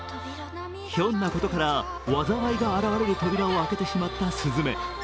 ひょんなことから災いが現れる扉を開けてしまった鈴芽。